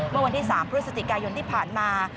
เมื่อวันที่๓พฤศจิกายนที่ผ่านมา